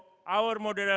pusat udara modern kita